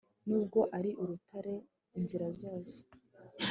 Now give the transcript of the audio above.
nubwo ari urutare inzira zose